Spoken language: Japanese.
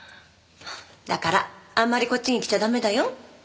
だからあんまりこっちに来ちゃ駄目だよ。